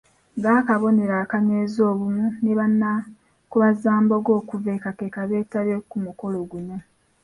Ng’akabonero akanyweza obumu ne bannankobazambogo okuva e Kakeeka beetabye ku mukolo guno.